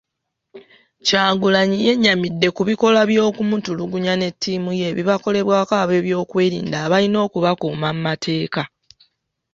Kyagulanyi yennyamidde ku bikolwa by'okumutulugunya ne ttiimu ye ebibakolebwako ab'ebyokwerinda abalina okubakuuma mu mateeka.